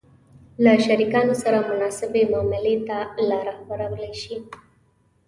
-له شریکانو سره مناسبې معاملې ته لار هوارولای شئ